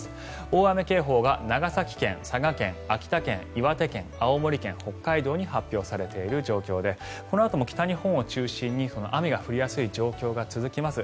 大雨警報が長崎県、佐賀県、秋田県岩手県、青森県、北海道に発表されている状況でこのあとも北日本を中心に雨が降りやすい状況が続きます。